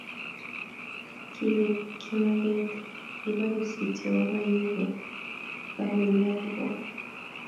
Kiile kimaget yebo kipsitia kobo; yebo kipng'ulia kobo.